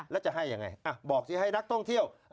แล้วจะให้ยังไงบอกสิให้นักท่องเที่ยว